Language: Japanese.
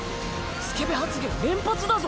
スケベ発言連発だぞ。